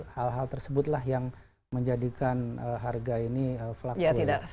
hal hal tersebutlah yang menjadikan harga ini fluktual